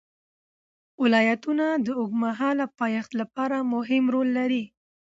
ولایتونه د اوږدمهاله پایښت لپاره مهم رول لري.